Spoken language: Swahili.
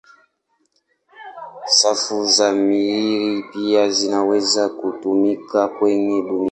Safu za Mirihi pia zinaweza kutumika kwenye dunia.